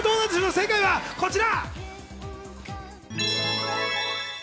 正解はこちら。